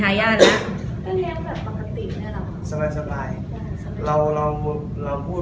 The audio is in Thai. และก็ตัวน้ำนมหน่อยก็เคยพูดเรื่องนี้กันนะครับ